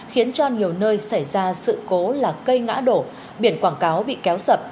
khiến cho nhiều nơi xảy ra sự cố là cây ngã đổ biển quảng cáo bị kéo sập